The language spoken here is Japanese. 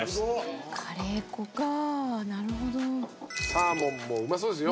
サーモンもうまそうですよ。